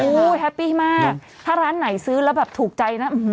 โอ้โหแฮปปี้มากถ้าร้านไหนซื้อแล้วแบบถูกใจนะ